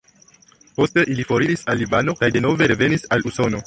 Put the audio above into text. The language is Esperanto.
Poste ili foriris al Libano kaj denove revenis al Usono.